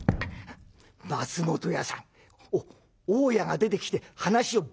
「松本屋さんお大家が出てきて話をぶち壊しました。